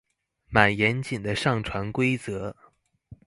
滿嚴謹的上傳規則